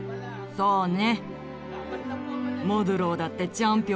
そうね。